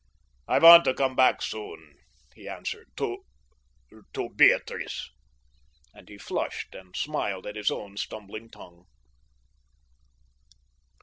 "I want to come back soon," he answered, "to—to Beatrice," and he flushed and smiled at his own stumbling tongue.